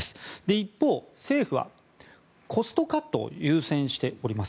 一方、政府はコストカットを優先しております。